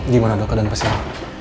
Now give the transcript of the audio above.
gimana dokter dan pasien